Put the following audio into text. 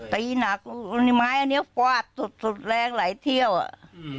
ตีหนักไม้อันนี้ฟาดสุดแรงหลายเที่ยวอ่ะ